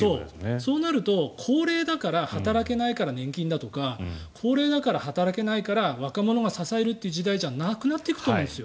そうなると、高齢だから働けないから年金だとか高齢だから働けないから若者が支えるという時代じゃなくなっていくと思うんですよ。